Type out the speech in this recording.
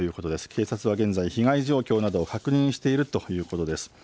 警察は現在、被害状況などを確認しているということです。